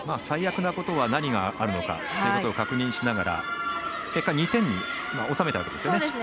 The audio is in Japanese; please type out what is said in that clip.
最悪なことは何があるのかということを確認しながら、結果失点を２点に抑えたわけですね。